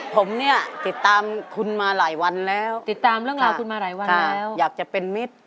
ผมเนี่ยติดตามคุณมาหลายวันแล้วอยากจะเป็นมิตร